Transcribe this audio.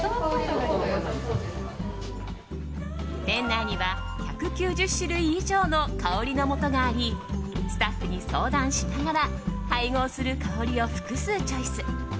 店内には１９０種類以上の香りのもとがありスタッフに相談しながら配合する香りを複数チョイス。